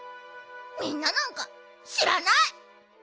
みんななんかしらない！